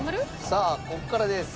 さあここからです。